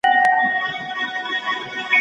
د بېړۍ جوړولو په کارخانه کي يې کار پيل کړ.